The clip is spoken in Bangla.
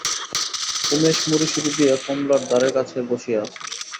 উমেশ মুড়িসুড়ি দিয়া কমলার দ্বারের কাছে বসিয়া আছে।